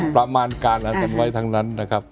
ประมาณการอะไรกันไว้ทั้งนั้นนะครับ